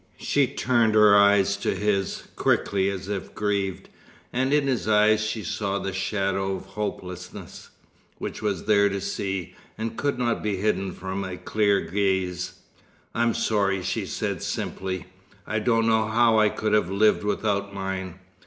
She turned her eyes to his, quickly, as if grieved. And in his eyes she saw the shadow of hopelessness which was there to see, and could not be hidden from a clear gaze. "I'm sorry," she said simply. "I don't know how I could have lived without mine.